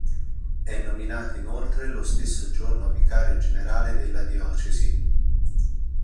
È nominato inoltre lo stesso giorno vicario generale della diocesi.